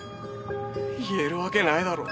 言えるわけないだろ。